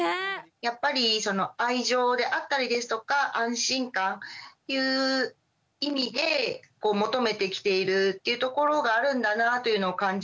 やっぱりその愛情であったりですとか安心感っていう意味で求めてきているっていうところがあるんだなぁというのを感じました。